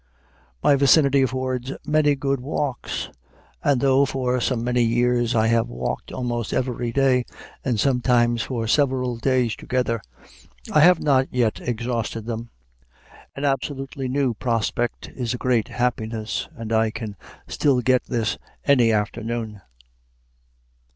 My vicinity affords many good walks; and though for so many years I have walked almost every day, and sometimes for several days together, I have not yet exhausted them. An absolutely new prospect is a great happiness, and I can still get this any afternoon.